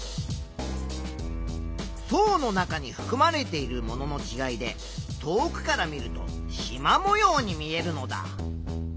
層の中にふくまれているもののちがいで遠くから見るとしまもように見えるのだ。